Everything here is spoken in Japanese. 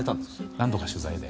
何度か取材で。